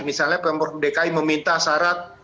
misalnya pemprov dki meminta syarat